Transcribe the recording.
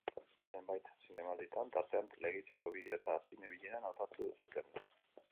Zenbait zinemalditan, tartean Lekeitioko Bideo eta Zine Bileran, hautatu zuten.